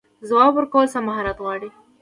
ځواب ورکول څه مهارت غواړي؟